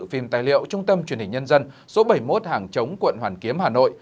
phim tài liệu trung tâm truyền hình nhân dân số bảy mươi một hàng chống quận hoàn kiếm hà nội